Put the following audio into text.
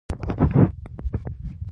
پام مو په بل شي واوښت.